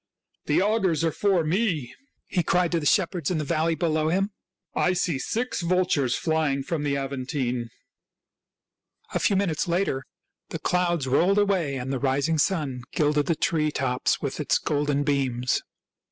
" The augurs are for me," he cried to the shep herds in the valley below him. " I see six vultures flying from the Aventine." A few minutes later the clouds rolled away and the rising sun gilded the tree tops with its golden beams.